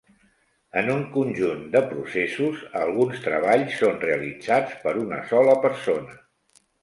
En un conjunt de processos, alguns treballs són realitzats per una sola persona.